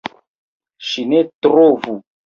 Ŝi ne trovu!